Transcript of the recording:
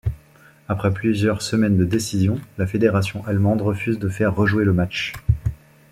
Après plusieurs semaines de décisions, la fédération allemande refuse de faire rejouer le match.